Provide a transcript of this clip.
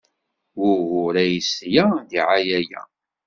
Wuɣur ay yesla ddiɛaya-a?